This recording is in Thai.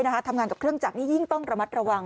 ทำงานเกี่ยวกับเครื่องจักรอิ่งต้องระมัดระวัง